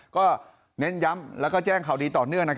ก็เน้นย้ำแล้วก็แจ้งข่าวดีต่อเนื่อง